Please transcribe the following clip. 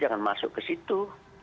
jangan masuk ke situ